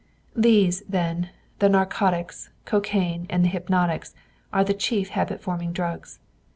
These, then, the narcotics, cocaine, and the hypnotics, are the chief habit forming drugs.